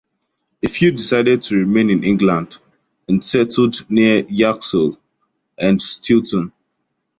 A few decided to remain in England and settled near Yaxley and Stilton.